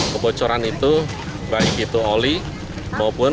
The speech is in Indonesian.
kebocoran itu baik itu oli maupun kebocoran dari perang